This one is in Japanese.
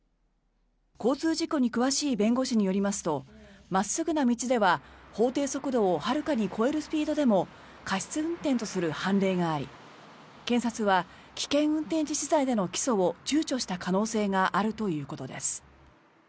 交通事故に詳しい弁護士によりますと真っすぐな道では法定速度をはるかに超えるスピードでも過失運転とする判例があり検察は危険運転致死罪での起訴を躊躇した可能性があるということです。